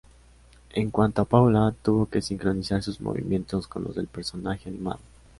En cuanto a Paula, tuvo que sincronizar sus movimientos con los del personaje animado.